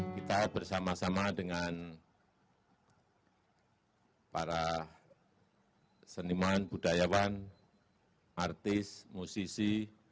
kita bersama sama dengan para seniman budayawan artis musisi